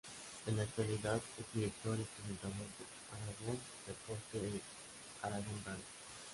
En la actualidad es director y presentador de Aragón Deporte en Aragón Radio.